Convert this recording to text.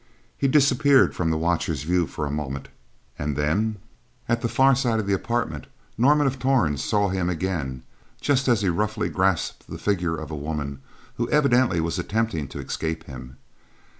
He disappeared from the watcher's view for a moment and then, at the far side of the apartment, Norman of Torn saw him again just as he roughly grasped the figure of a woman who evidently was attempting to escape him.